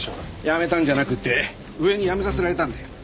辞めたんじゃなくて上に辞めさせられたんだよ。